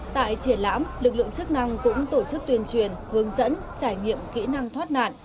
tại triển lãm lực lượng chức năng cũng tổ chức tuyên truyền hướng dẫn trải nghiệm kỹ năng thoát nạn